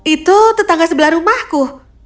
itu tetangga sebelah rumahku